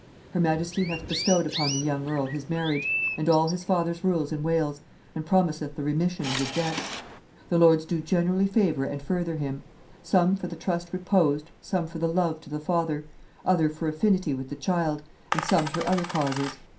Her majesty hath bestowed upon the young earl his marriage, and all his father's rules in Wales, and promiseth the remission of his debt. The lords do generally favor and further him; some for the trust reposed, some for love to the father, other for affinity with the child, and some for other causes.